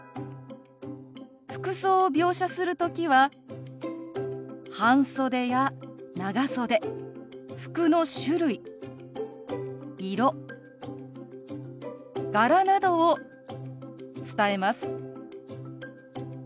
服装を描写する時は半袖や長袖服の種類色柄などを伝えます。